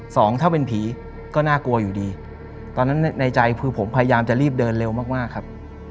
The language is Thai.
สองถ้าเป็นผีก็น่ากลัวอยู่ดีตอนนั้นในใจคือผมพยายามจะรีบเดินเร็วมากมากครับ